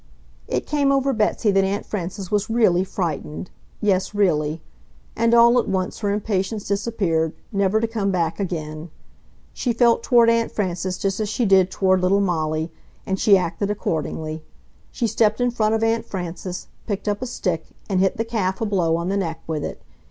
It came over Betsy that Aunt Frances was really frightened, yes, really; and all at once her impatience disappeared, never to come back again. She felt toward Aunt Frances just as she did toward little Molly, and she acted accordingly. She stepped in front of Aunt Frances, picked up a stick, and hit the calf a blow on the neck with it.